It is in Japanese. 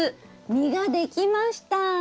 実ができました！